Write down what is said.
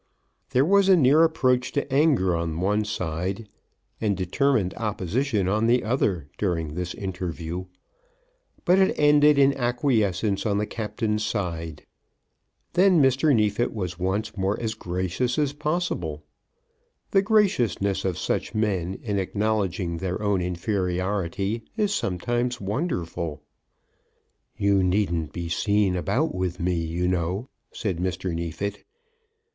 There was a near approach to anger on one side and determined opposition on the other during this interview, but it ended in acquiescence on the Captain's side. Then Mr. Neefit was once more as gracious as possible. The graciousness of such men in acknowledging their own inferiority is sometimes wonderful. "You needn't be seen about with me, you know," said Mr. Neefit.